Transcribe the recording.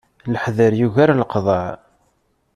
Leḥder yugar leqḍaɛ.